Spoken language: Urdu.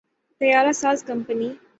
طیارہ ساز کمپنی